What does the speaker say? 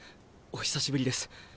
お久しぶりです。